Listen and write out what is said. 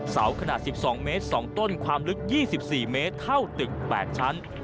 เสาขนาด๑๒เมตร๒ต้นความลึก๒๔เมตรเท่าตึก๘ชั้น